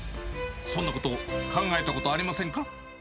そんなこと、考えたことありませんか？